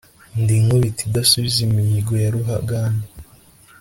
ndi Nkubito idasubiza imihigo ya rugamba